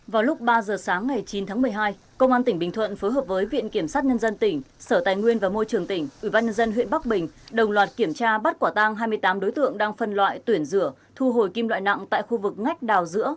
vào lúc ba giờ sáng ngày chín tháng một mươi hai công an tỉnh bình thuận phối hợp với viện kiểm sát nhân dân tỉnh sở tài nguyên và môi trường tỉnh ubnd huyện bắc bình đồng loạt kiểm tra bắt quả tang hai mươi tám đối tượng đang phân loại tuyển rửa thu hồi kim loại nặng tại khu vực ngách đào giữa